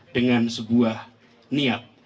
dengan sebuah niat